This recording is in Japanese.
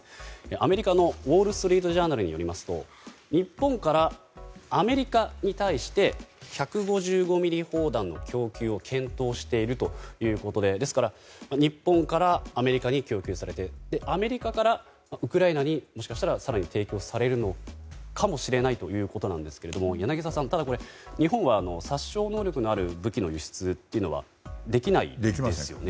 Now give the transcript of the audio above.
アメリカのウォール・ストリート・ジャーナルによりますと日本からアメリカに対して１５５ｍｍ砲弾の供給を検討しているということでですから、日本からアメリカに供給されてアメリカからウクライナにもしかしたら提供されるのかもしれないということなんですけれども柳澤さん、日本は殺傷能力のある武器の輸出はできないですね。